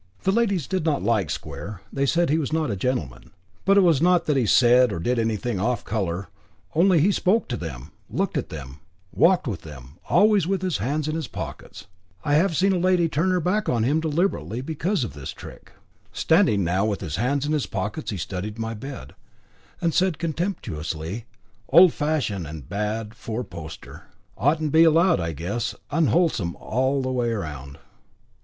Ladies did not like Square; they said he was not a gentleman. But it was not that he said or did anything "off colour," only he spoke to them, looked at them, walked with them, always with his hands in his pockets. I have seen a lady turn her back on him deliberately because of this trick. Standing now with his hands in his pockets, he studied my bed, and said contemptuously: "Old fashioned and bad, fourposter. Oughtn't to be allowed, I guess; unwholesome all the way round."